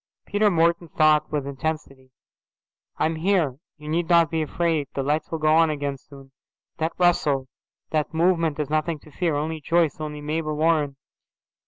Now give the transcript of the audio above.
Peter Morton thought with intensity, "I am here. You needn't be afraid. The lights will go on again soon. That rustle, that movement is nothing to fear. Only Joyce, only Mabel Warren."